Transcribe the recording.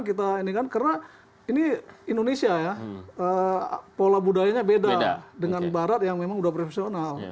karena ini indonesia ya pola budayanya beda dengan barat yang memang udah profesional